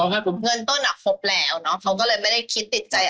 เงินต้นอ่ะครบแล้วเนอะเขาก็เลยไม่ได้คิดติดใจ